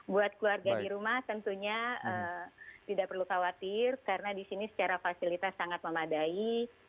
buat keluarga di rumah tentunya tidak perlu khawatir karena di sini secara fasilitas sangat memadai